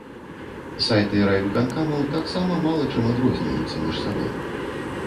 Сайты райвыканкамаў таксама мала чым адрозніваюцца між сабой.